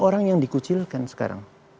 orang yang dikucilkan sekarang